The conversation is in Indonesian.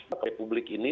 untuk republik ini